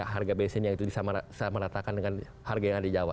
harga bensin yang itu disameratakan dengan harga yang ada di jawa